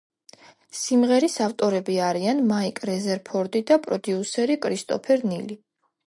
სიმღერის ავტორები არიან მაიკ რეზერფორდი და პროდიუსერი კრისტოფერ ნილი.